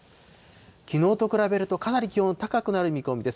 きのうと比べるとかなり気温、高くなる見込みです。